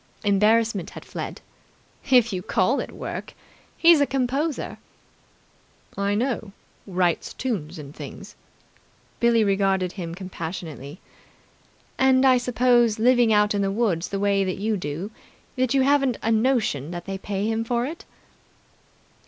Embarrassment had fled. "If you call it work. He's a composer." "I know. Writes tunes and things." Billie regarded him compassionately. "And I suppose, living out in the woods the way that you do that you haven't a notion that they pay him for it."